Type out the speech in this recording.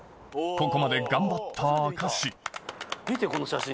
ここまで頑張った証し見てこの写真。